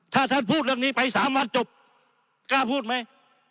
ถ้าท่านพูดเรื่องนี้ไป๓วันจบกล้าพูดไหม